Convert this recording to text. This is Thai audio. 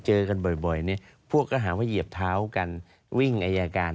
เจอกันบ่อยเนี่ยพวกก็หาว่าเหยียบเท้ากันวิ่งอายการ